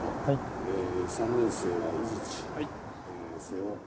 はい。